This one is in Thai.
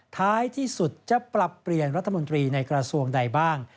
ท้ายที่สุดจะปรับเปลี่ยนรัฐมนตรีในกระทรวงใดบ้าง